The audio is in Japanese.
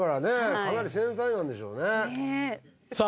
かなり繊細なんでしょうねさあ